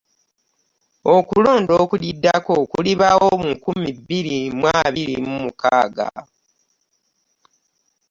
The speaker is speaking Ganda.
Okulonda okuluddako kulibaawo mu nkumi bbiri mu abiri mu mukaaga.